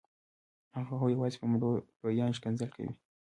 هغوی یوازې په مړو لویان ښکنځل کوي.